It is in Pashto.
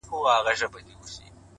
• جهاني د قلم ژبه دي ګونګۍ که,